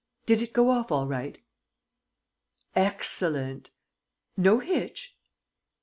... Did it go off all right? ... Excellent! ... No hitch? .